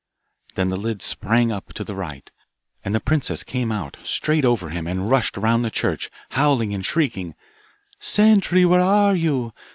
Then the lid sprang up to the right, and the princess came out, straight over him, and rushed round the church, howling and shrieking 'Sentry, where are you?